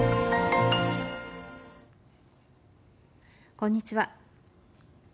こんにちは。